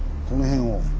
この辺を。